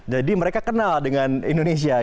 jadi mereka kenal dengan indonesia ya